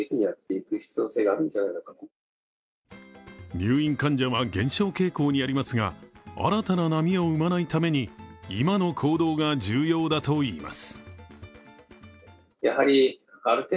入院患者は減少傾向にありますが新たな波を生まないために今の行動が重要だといいます。